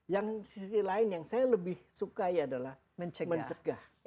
yang sisi lain yang saya lebih sukai adalah mencegah